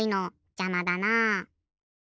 じゃまだな。